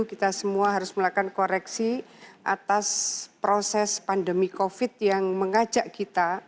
kita semua harus melakukan koreksi atas proses pandemi covid yang mengajak kita